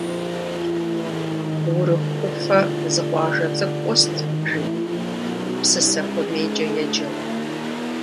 Урыху ӏуфэ зы къуажэ цӏыкӏу ӏуст, жи, Псысэхуэмейкӏэ еджэу.